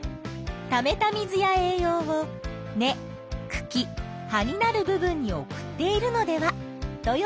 ためた水や栄養を根・くき・葉になる部分に送っているのではと予想したんだね。